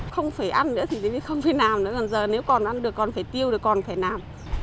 không phải ăn nữa thì không thể làm nữa còn giờ nếu còn ăn được còn phải tiêu được còn phải làm